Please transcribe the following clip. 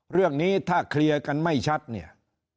เรื่องนี้ถ้าเคลียร์กันไม่ชัดเนี่ย